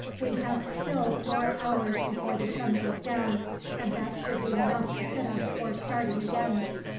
We have still four hours before the sun goes down, and that should be enough to fit us for starting again."